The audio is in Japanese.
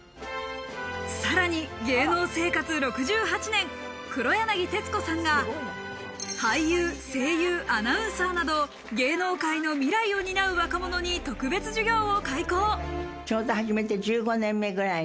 さらに芸能生活６８年、黒柳徹子さんが俳優、声優、アナウンサーなど芸能界の未来を担う若者に特別授業を開講。